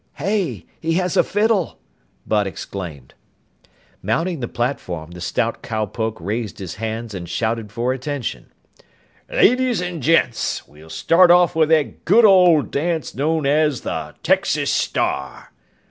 "Hey! He has a fiddle!" Bud exclaimed. Mounting the platform, the stout cowpoke raised his hands and shouted for attention. "Ladies an' gents, we'll start off with that good old dance known as the Texas Star!"